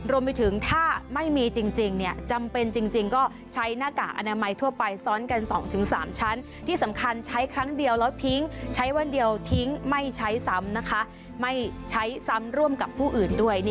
รวมไปถึงถ้าไม่มีจริงจำเป็นจริงก็ใช้หน้ากากอนามัยทั่วไปซ้อนกัน๒๓ชั้น